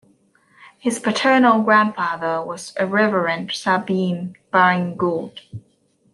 His paternal grandfather was the Reverend Sabine Baring-Gould.